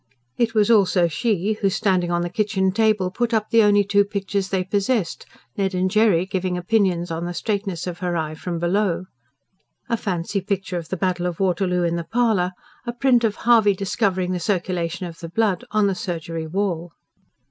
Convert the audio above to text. It was also she who, standing on the kitchen table, put up the only two pictures they possessed, Ned and Jerry giving opinions on the straightness of her eye, from below: a fancy picture of the Battle of Waterloo in the parlour; a print of "Harvey Discovering the Circulation of the Blood" on the surgery wall.